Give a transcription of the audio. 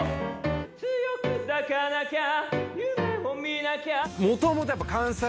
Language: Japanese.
「強く抱かなきゃ夢も見なきゃ」